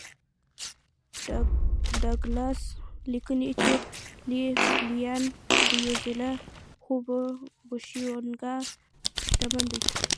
ډاګلاس لیکي چې لې لیان بېوزله خو بوشونګان شتمن دي